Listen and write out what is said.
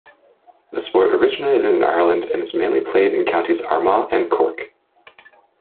The sport originated in Ireland and is mainly played in counties Armagh and Cork.